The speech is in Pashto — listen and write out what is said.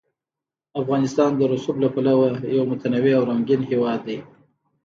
افغانستان د رسوب له پلوه یو متنوع او رنګین هېواد دی.